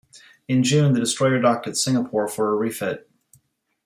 In June, the destroyer docked at Singapore for a refit.